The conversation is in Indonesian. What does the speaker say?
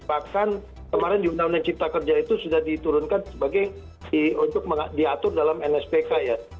bahkan kemarin di undang undang cipta kerja itu sudah diturunkan sebagai untuk diatur dalam nspk ya